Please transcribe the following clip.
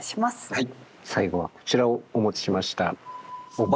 はい。